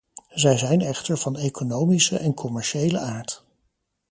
Zij zijn echter van economische en commerciële aard.